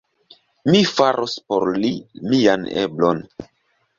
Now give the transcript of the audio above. Mi faros por li mian eblon.